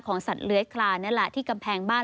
สัตว์เลื้อยคลานนั่นแหละที่กำแพงบ้าน